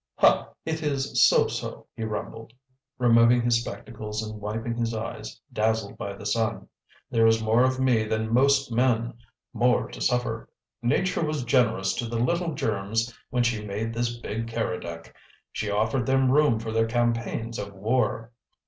"Ha, it is so so," he rumbled, removing his spectacles and wiping his eyes, dazzled by the sun. "There is more of me than of most men more to suffer. Nature was generous to the little germs when she made this big Keredec; she offered them room for their campaigns of war."